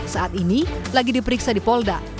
saat ini lagi diperiksa di polda